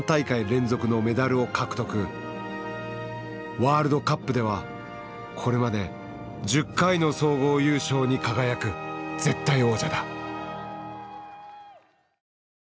ワールドカップではこれまで１０回の総合優勝に輝く絶対王者だ。